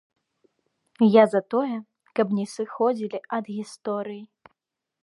Я за тое, каб не сыходзілі ад гісторыі.